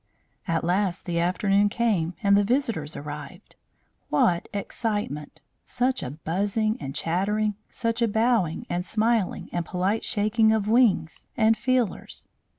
At last the afternoon came and the visitors arrived. What excitement! Such a buzzing and chattering! Such a bowing and smiling and polite shaking of wings and feelers!